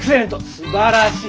すばらしい！